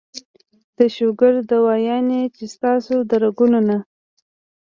د شوګر دوايانې چې ستاسو د رګونو نه